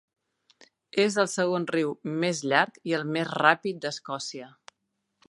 És el segon riu més llarg i el més ràpid d'Escòcia.